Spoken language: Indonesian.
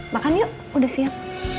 makan yuk udah siap